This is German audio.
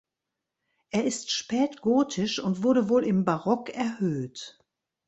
Er ist spätgotisch und wurde wohl im Barock erhöht.